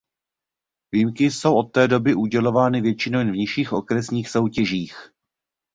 Výjimky jsou od té doby udělovány většinou jen v nižších okresních soutěžích.